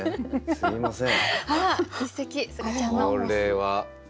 すいません。